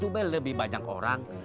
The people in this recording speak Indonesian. belum buka jualan